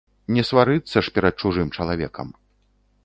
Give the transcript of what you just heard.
Не сварыцца ж перад чужым чалавекам.